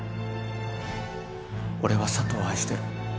俺は佐都を愛してる。